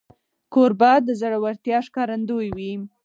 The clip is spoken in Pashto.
کوربه د زړورتیا ښکارندوی وي.